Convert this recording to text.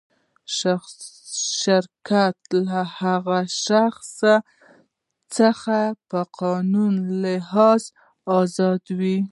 شرکت له هغه شخص څخه په قانوني لحاظ آزاد و.